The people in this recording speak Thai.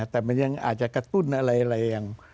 แต่มันยังอาจจะกระตุ้นอะไรอย่าง